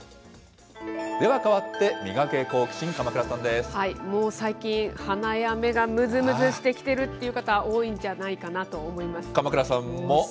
では、変わってミガケ、もう最近、鼻や目がむずむずしてきてるっていう方、多いんじゃないかなと思鎌倉さんも？